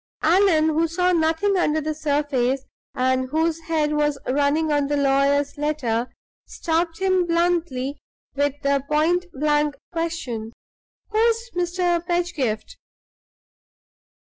Allan, who saw nothing under the surface, and whose head was running on the lawyer's letter, stopped him bluntly with the point blank question: "Who's Mr. Pedgift?"